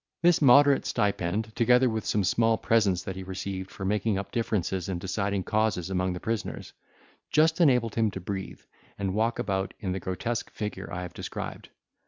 This moderate stipend, together with some small presents that he received for making up differences and deciding causes amongst the prisoners, just enabled him to breathe and walk about in the grotesque figure I have described.